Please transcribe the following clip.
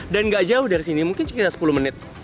dan nggak jauh dari sini mungkin sekitar sepuluh menit